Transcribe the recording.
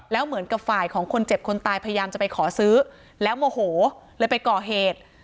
แล้วเหมือนกับฝ่ายของคนเจ็บคนตายพยายามจะไปขอซื้อแล้วโมโหเลยไปก่อเหตุ